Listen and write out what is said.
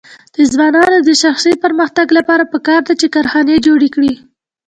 د ځوانانو د شخصي پرمختګ لپاره پکار ده چې کارخانې جوړې کړي.